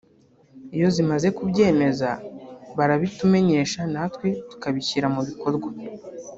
iyo zimaze kubyemeza barabitumenyesha natwe tukabishyira mu bikorwa”